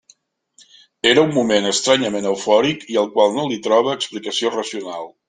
Era un moment estranyament eufòric i al qual no li trobe explicació racional.